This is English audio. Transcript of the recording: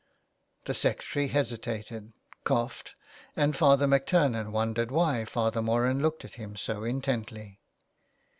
The secretary hesitated, coughed, and Father MacTurnan wondered why Father Moran looked at him so intently.